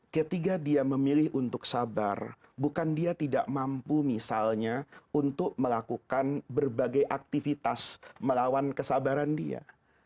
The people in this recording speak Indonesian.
ketika dia memilih untuk sabar bukan dia tidak mampu misalnya untuk melakukan berbagai aktivitas melawan kesabaran dia